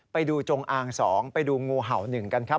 ไปดูจงอางสองไปดูงูเห่าหนึ่งกันครับ